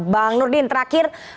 bang nurdin terakhir